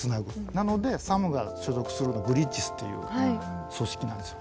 なのでサムが所属するの「ブリッジズ」っていう組織なんですよ。